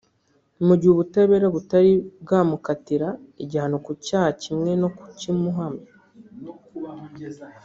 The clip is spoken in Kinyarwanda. mu gihe ubutabera butari bwamukatira igihano ku cyaha na kimwe no kukimuhamya